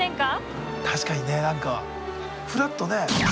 確かにね何かふらっとね。